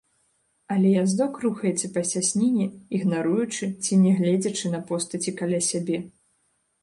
Але яздок рухаецца па цясніне ігнаруючы ці не гледзячы на постаці каля сябе.